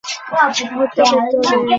আমাকে আপনার হত্যা করতে হবে।